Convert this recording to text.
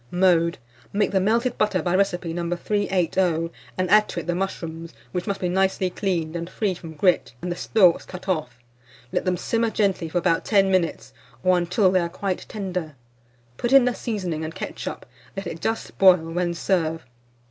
Mode. Make the melted butter by recipe No. 380, and add to it the mushrooms, which must be nicely cleaned, and free from grit, and the stalks cut off. Let them simmer gently for about 10 minutes, or until they are quite tender. Put in the seasoning and ketchup; let it just boil, when serve.